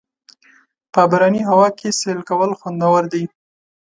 په باراني هوا کې سیل کول خوندور دي.